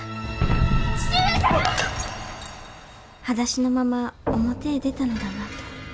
裸足のまま表へ出たのだなと。